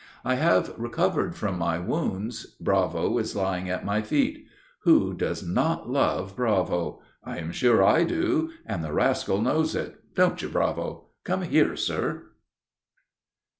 "I have recovered from my wounds. Bravo is lying at my feet. Who does not love Bravo? I am sure I do, and the rascal knows it don't you, Bravo? Come here, sir!"